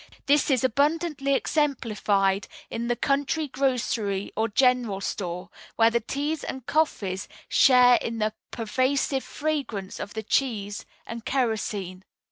This is abundantly exemplified in the country grocery or general store, where the teas and coffees share in the pervasive fragrance of the cheese and kerosene.